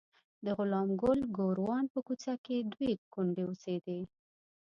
د غلام ګل ګوروان په کوڅه کې دوې کونډې اوسېدې.